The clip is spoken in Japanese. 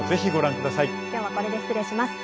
今日はこれで失礼します。